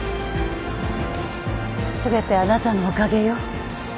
全てあなたのおかげよ。